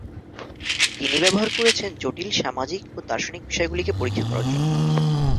তিনি ব্যবহার করেছেন জটিল সামাজিক ও দার্শনিক বিষয়গুলিকে পরীক্ষা করার জন্য।